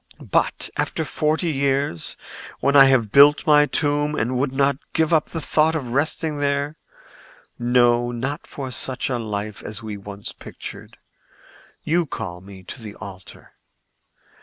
But after forty years, when I have built my tomb and would not give up the thought of resting there—no, not for such a life as we once pictured—you call me to the altar.